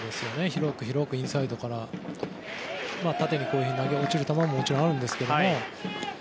広く広く、インサイドから縦に落ちる球ももちろんあるんですけど。